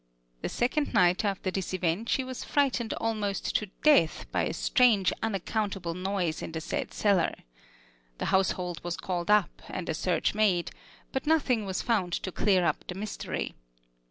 The second night after this event she was frightened almost to death by a strange unaccountable noise in the said cellar. The household was called up and a search made, but nothing was found to clear up the mystery.